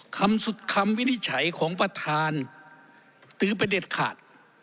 คำสุดคำวินิจฉัยของประธานตือไปเด็ดขาด